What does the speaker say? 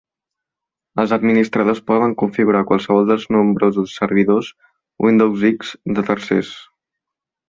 Els administradors poden configurar qualsevol dels nombrosos servidors Windows X de tercers.